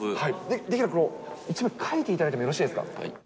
できれば、１回書いていただいてもよろしいですか？